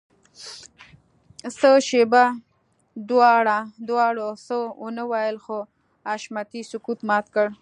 څه شېبه دواړو څه ونه ويل خو حشمتي سکوت مات کړ.